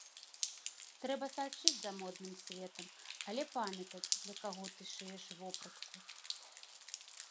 Трэба сачыць за модным светам, але памятаць для каго ты шыеш вопратку.